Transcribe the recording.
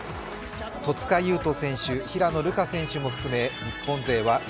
戸塚優斗選手、平野流佳選手も含め日本勢は４